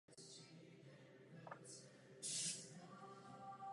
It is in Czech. Při představení mohou být oddělena přestávkou.